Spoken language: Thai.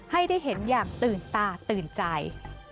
ให้ได้เห็นอย่างตื่นตาตื่นใจ